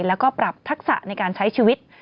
แล้วก็ปรับทักษะในการใช้ชีวิต